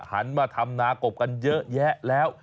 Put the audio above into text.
หันมาทำนากบกันเยอะแยะแล้ว